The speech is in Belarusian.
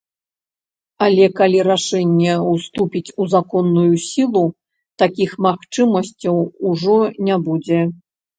Але калі рашэнне ўступіць у законную сілу, такіх магчымасцяў ужо не будзе.